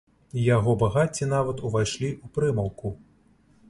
Яго багацці нават ўвайшлі ў прымаўку.